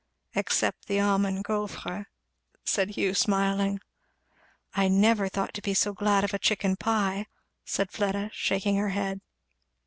"Except the almond gauffres," said Hugh smiling. "I never thought to be so glad of a chicken pie," said Fleda, shaking her head.